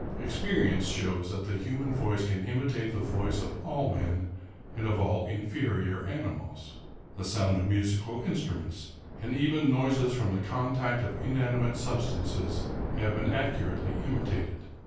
Ex perience shows that the human voice can imitate the voice of all men and of all inferior ^mimals. The sound of musical instruments, and even noises from the contact of inanimate substances, have been accurately imitated.